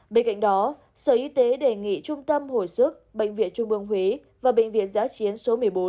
bên cạnh đó sở y tế đề nghị trung tâm hồi sức bệnh viện trung ương huế và bệnh viện giã chiến số một mươi bốn